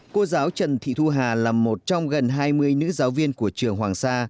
cô giáo trần thị thu hà là một trong gần hai mươi nữ giáo viên của trường hoàng sa